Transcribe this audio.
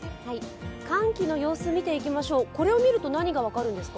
寒気の様子見て行きましょう、これを見ると何が分かるんですか？